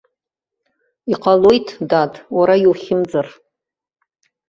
Иҟалоит, дад, уара иухьымӡар.